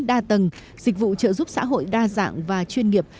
đa tầng dịch vụ trợ giúp xã hội đa dạng và chuyên nghiệp